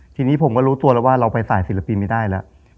ทีนี้ผมก็รู้ตัวแล้วว่าเราไปสายศิลปินไม่ได้แล้ว